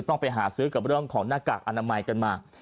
ต้องไปหาซื้อกับเรื่องของหน้ากากอนามัยกันมา